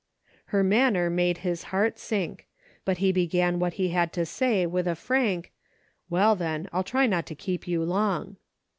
Her manner made his heart sink, but he be gan what he had to say with a frank, "Well, then I'll try not to keep you long.